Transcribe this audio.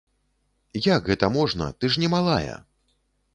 Як гэта можна, ты ж не малая!